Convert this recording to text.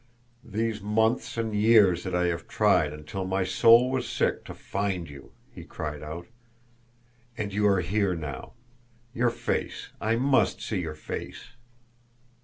"These months and years that I have tried until my soul was sick to find you!" he cried out. "And you are here now! Your face I must see your face!"